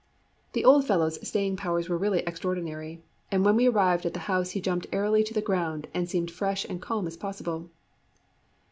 The old fellow's staying powers were really extraordinary, and when we arrived at the house he jumped airily to the ground, and seemed fresh and calm as possible.